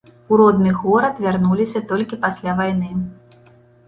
У родны горад вярнуліся толькі пасля вайны.